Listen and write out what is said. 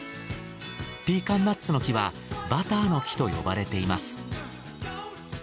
ピーカンナッツの木はバターの木と呼ばれています。